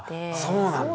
そうなんだ。